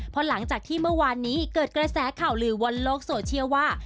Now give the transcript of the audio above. พอหลังจากที่เมื่อวานนี้เกิดกระแสข่าวลือบนโลกโซเชียลว่า